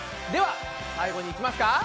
では最後にいきますか。